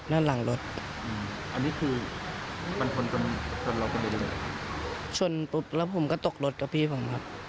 นั่นหลังรถอันนี้คือคือชนปุ๊บแล้วผมก็ตกรถกับพี่ผมครับ